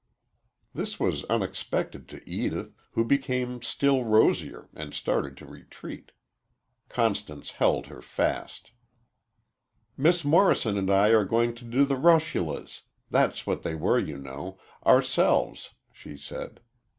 This was unexpected to Edith, who became still rosier and started to retreat. Constance held her fast. "Miss Morrison and I are going to do the russulas that's what they were, you know ourselves," she said.